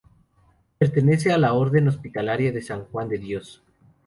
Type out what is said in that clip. Pertenece a la Orden Hospitalaria de San Juan de Dios.